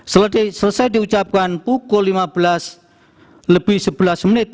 selesai diucapkan pukul lima belas lebih sebelas menit